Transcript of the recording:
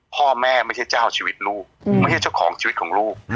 พ่อแม่ไม่ใช่เจ้าชีวิตลูกไม่ใช่เจ้าของชีวิตของลูก